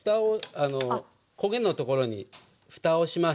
焦げのところにふたをします。